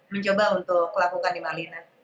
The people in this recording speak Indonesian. mencoba untuk lakukan di malina